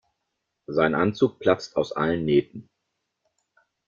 Sein Anzug platzt aus allen Nähten.